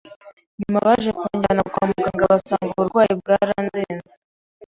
nyuma baje kujyana kwa muganga basanga uburwayi bwarandenze